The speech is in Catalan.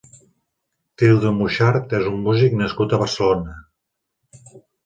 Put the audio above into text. Tildo Muxart és un músic nascut a Barcelona.